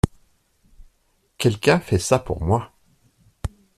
Quelqu’un fait ça pour moi.